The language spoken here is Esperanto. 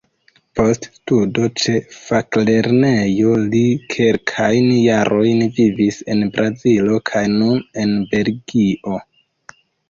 Post studo ĉe faklernejo li kelkajn jarojn vivis en Brazilo kaj nun en Belgio.